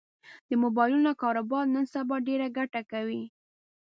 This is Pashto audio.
د مبایلونو کاروبار نن سبا ډېره ګټه کوي